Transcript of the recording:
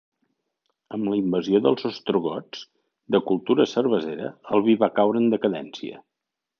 Amb la invasió dels ostrogots, de cultura cervesera, el vi va caure en decadència.